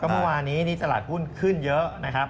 ก็เมื่อวานี้นี่ตลาดหุ้นขึ้นเยอะ